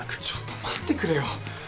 ちょっと待ってくれよ。